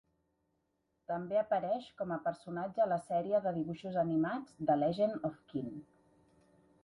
També apareix com a personatge a la sèrie de dibuixos animats "The Legend of Qin".